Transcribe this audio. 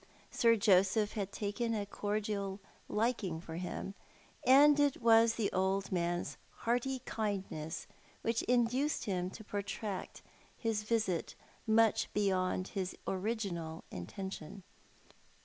Sir Joseph had taken a cordial liking for him, and it was the old man's hearty kindness which induced him to protract bis visit mucli beyond his original intention.